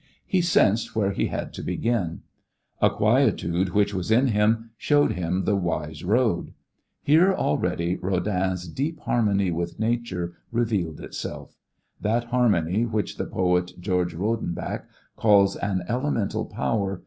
He sensed where he had to begin. A quietude which was in him showed him the wise road. Here already Rodin's deep harmony with Nature revealed itself; that harmony which the poet George Rodenbach calls an elemental power.